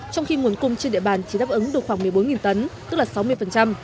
trong khi nguồn cung trên địa bàn chỉ đáp ứng được khoảng một mươi bốn tấn tức là sáu mươi